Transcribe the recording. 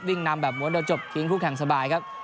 วิ่งนำแบบหมวดโดยจบทิ้งคู่แข่งสบายครับ